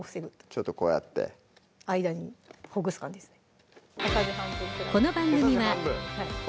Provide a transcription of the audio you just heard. ちょっとこうやって間にほぐす感じですね